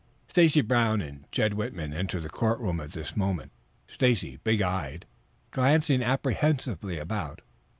Stacy Brown and Jed Whitman entered the courtroom at this moment, Stacy big eyed, glancing apprehensively about.